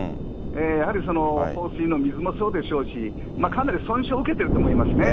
やはり放水の水もそうでしょうし、かなり損傷を受けてると思いますね。